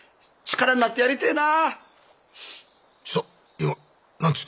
「力になってやりてえな」。